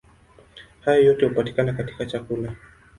Hayo yote hupatikana katika chakula.